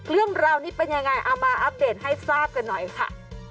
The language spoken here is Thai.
เรื่องราวนี้เป็นยังไงเอามาอัปเดตให้ทราบกันหน่อยค่ะ